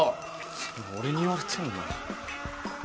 そう俺に言われてもな。